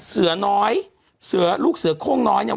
เสือน้อยเสือลูกเสือโค้งน้อยเนี่ย